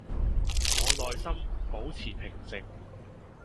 我內心保持平靜